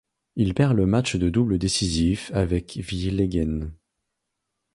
Il perd le match de double décisif avec Vliegen.